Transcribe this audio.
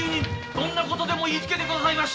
どんなことでも言いつけてくださいまし。